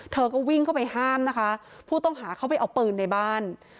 เธอก็วิ่งเข้าไปห้ามนะคะผู้ต้องหาเข้าไปเอาปืนในบ้าน